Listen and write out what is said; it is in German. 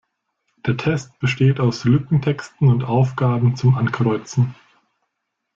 Der Test besteht aus Lückentexten und Aufgaben zum Ankreuzen.